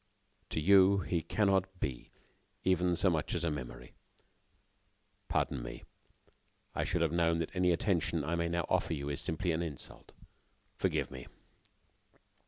To you, he cannot be even so much as a memory. Pardon me....I should have known that any attention I may now offer you is simply an insult. Forgive me."